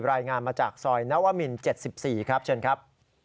รายงานมาจากซอยนวมิน๗๔ครับเชิญครับ